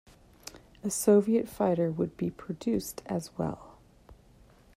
A Soviet fighter would be produced as well.